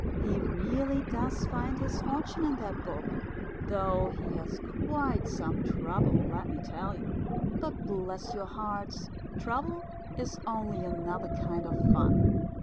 He really does find his fortune in that book, though he has quite some trouble, let me tell you. But bless your hearts! Trouble is only another kind of fun!